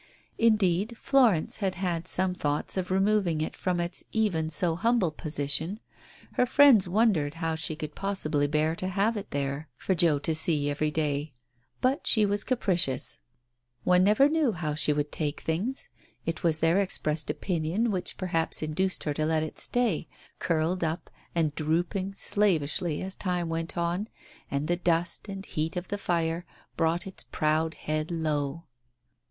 Indeed, Florence had had some thoughts of removing it from its even so humble position ; her friends wondered how she could possibly bear to have it there for Joe to see every Digitized by Google THE OPERATION 43 day ! But she was capricious. One never knew how she would take things. It was their expressed opinion which perhaps induced her to let it stay, curled up and drooping slavishly as time went on, and the dust and heat of the fire brought its proud head low.